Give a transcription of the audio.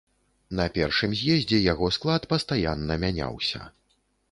На першым з'ездзе яго склад пастаянна мяняўся.